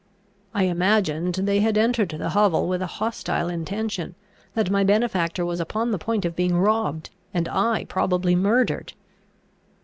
I imagined they had entered the hovel with a hostile intention, that my benefactor was upon the point of being robbed, and I probably murdered.